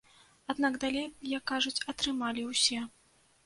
Аднак далей, як кажуць, атрымалі ўсе.